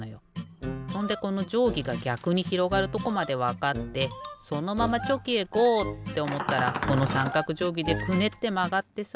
ほんでこのじょうぎがぎゃくにひろがるとこまでわかってそのままチョキへゴー！っておもったらこのさんかくじょうぎでクネッてまがってさ。